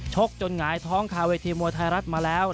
จนหงายท้องคาเวทีมวยไทยรัฐมาแล้ว